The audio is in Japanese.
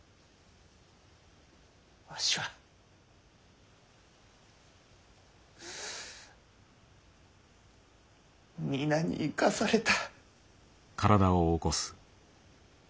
わしは皆に生かされた。